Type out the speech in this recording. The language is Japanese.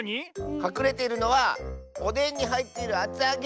かくれているのはおでんにはいっているあつあげ！